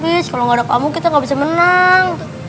tris kalo ga ada kamu kita ga bisa menang